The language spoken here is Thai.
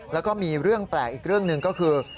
แล้วก็มีเรื่องแปลกอีกเรื่องหนึ่งก็คือ